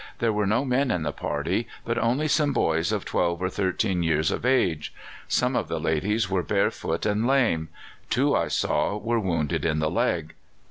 There were no men in the party, but only some boys of twelve or thirteen years of age. Some of the ladies were barefoot and lame. Two I saw were wounded in the leg."